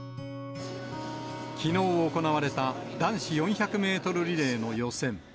きのう行われた、男子４００メートルリレーの予選。